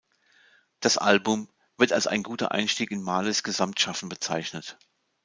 Das Album wird als ein guter Einstieg in Marleys Gesamtschaffen bezeichnet.